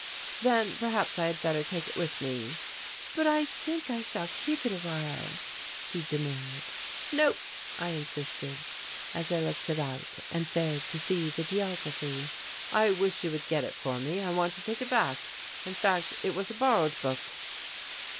"Then perhaps I had better take it with me." "But I think I shall keep it awhile," she demurred. "No," I insisted, as I looked about and failed to see the geography, "I wish you would get it for me. I want to take it back, in fact it was a borrowed book."